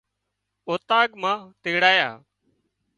اوطاق مان تيڙايا